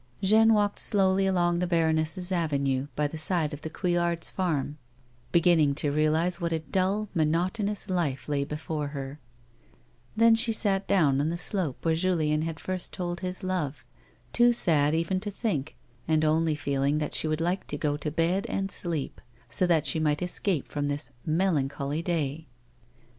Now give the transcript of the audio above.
Jeanne walked slowly along the baroness's avenue, by the side of the Couillards' farm, beginning to realise what a dull, monotonous life lay before her ; then she sat down on the slope where Julien had first told his love, too sad even to thin k and only feeling that she would like to go to bed and sleep, so that she might escape from this melancholy day.